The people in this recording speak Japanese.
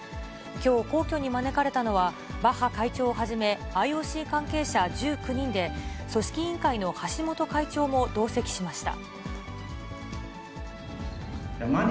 きょう、皇居に招かれたのは、バッハ会長をはじめ、ＩＯＣ関係者１９人で、組織委員会の橋本会長も同席しました。